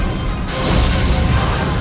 aku mau kesana